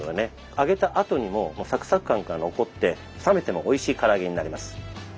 揚げたあとにもサクサク感が残って冷めてもおいしいから揚げになります。